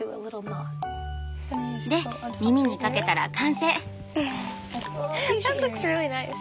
で耳にかけたら完成。